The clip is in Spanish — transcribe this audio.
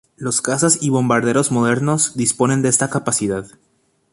Los cazas y bombarderos modernos disponen de esta capacidad.